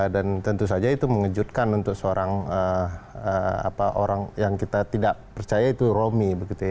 dan tentu saja itu mengejutkan untuk seorang orang yang kita tidak percaya itu romy